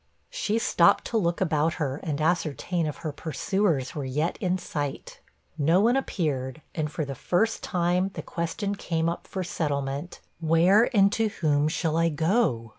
She stopped to look about her, and ascertain if her pursuers were yet in sight. No one appeared, and, for the first time, the question came up for settlement, 'Where, and to whom, shall I go?'